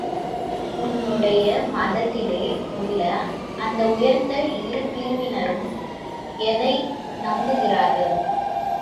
உன்னுடைய மதத்திலே உள்ள அந்த உயர்ந்த இரு பிரிவினரும் எதை நம்புகிறார்கள்?